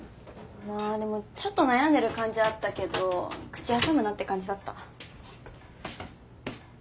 まあでもちょっと悩んでる感じあったけど口挟むなって感じだった。